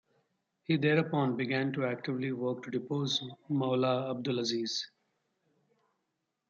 He thereupon began to actively work to depose Moulay Abdelaziz.